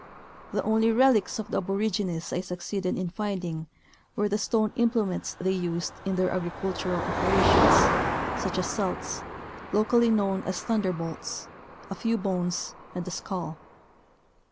The only relics of the aborigines I succeeded in finding were the stone implements they used in their agricultural operations, such as celts, locally known as "thunderbolts," a few bones, and a skull.